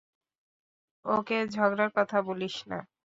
ওকে ঝগড়ার কথা বলিস না।